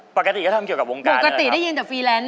ปกติก็ทำเกี่ยวกับวงการปกติได้ยินแต่ฟรีแลนซ์